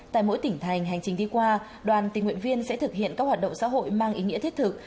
tại mỗi tỉnh thành hành trình đi qua đoàn tình nguyện viên sẽ thực hiện các hoạt động xã hội mang ý nghĩa thiết thực